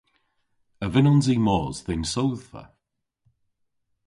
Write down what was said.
A vynnons i mos dhe'n sodhva?